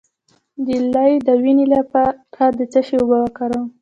د لۍ د وینې لپاره د څه شي اوبه وکاروم؟